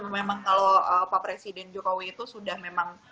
memang kalau pak presiden jokowi itu sudah memang